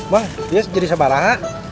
bang bias jadi sebarang